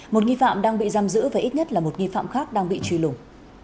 một nghi phạm đang bị giam giữ và ít nhất là một nghi phạm khác đang bị truy lùng